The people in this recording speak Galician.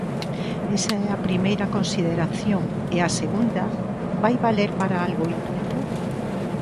Esa é a primeira consideración; e a segunda: vai valer para algo o indulto?